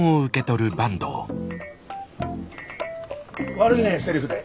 悪いねセルフで。